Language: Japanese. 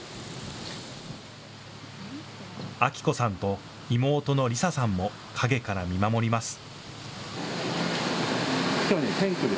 彰子さんと妹のりささんも陰から見守ります。